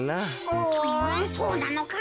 うんそうなのかな？